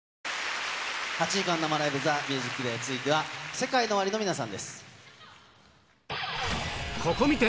８時間生ライブ、ＴＨＥＭＵＳＩＣＤＡＹ、続いては、ＳＥＫＡＩＮＯＯＷＡＲＩのここ観て！